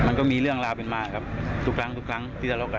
มันก็มีเรื่องราวเป็นมาครับทุกครั้งทุกครั้งที่ทะเลาะกัน